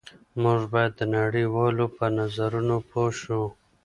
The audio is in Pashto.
موږ باید د نړۍ والو په نظرونو پوه شو